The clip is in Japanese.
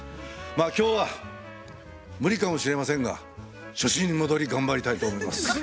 今日は無理かもしれませんが初心に戻り頑張りたいと思います。